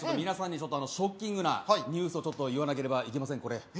皆さんにちょっとショッキングなニュースを言わなければいけませんこれ。